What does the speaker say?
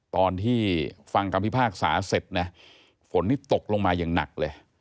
ตอนที่ฟังคำพิพากษาเสร็จนะฝนนี่ตกลงมาอย่างหนักเลย